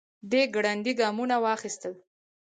دی ګړندي ګامونه واخيستل.